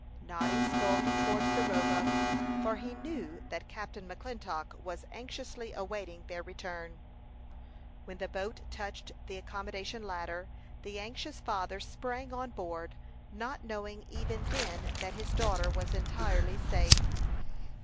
Noddy sculled towards the Roebuck, for he knew that Captain McClintock was anxiously awaiting their return. When the boat touched the accommodation ladder, the anxious father sprang on board, not knowing even then that his daughter was entirely safe.